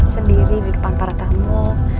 sendiri di depan para tamu